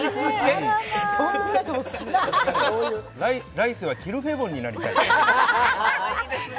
来世はキルフェボンになりたい。